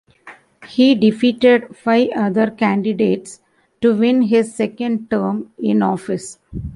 He defeated five other candidates to win his second term in office.